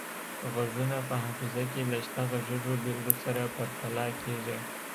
غږونه په حافظه کې له شته غږیزو بیلګو سره پرتله کیږي